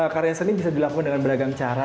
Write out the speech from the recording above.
karya seni bisa dilakukan dengan beragam cara